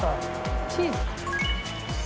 チーズか。